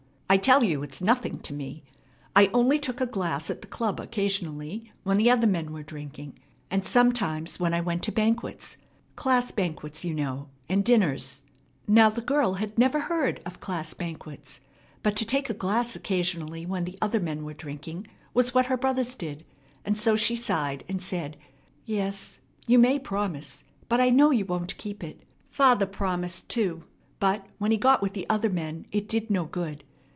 I tell you it's nothing to me. I only took a glass at the club occasionally when the other men were drinking, and sometimes when I went to banquets, class banquets, you know, and dinners " Now the girl had never heard of class banquets, but to take a glass occasionally when the other men were drinking was what her brothers did; and so she sighed, and said: "Yes, you may promise, but I know you won't keep it. Father promised too; but, when he got with the other men, it did no good.